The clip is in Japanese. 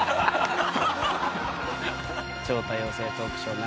「超多様性トークショー！